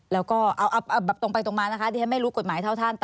แล้วก็เอาแบบตรงไปตรงมานะคะที่ฉันไม่รู้กฎหมายเท่าท่าน